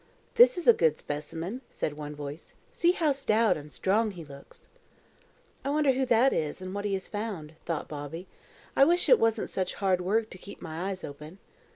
"This is a good specimen," said one voice. "See how stout and strong he looks!" "I wonder who that is, and what he has found," thought Bobby. "I wish it wasn't such hard work to keep my eyes open."